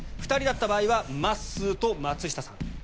２人だった場合はまっすーと松下さん。